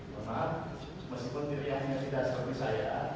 teman meskipun diri yang tidak seperti saya